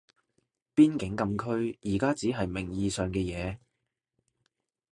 邊境禁區而家只係名義上嘅嘢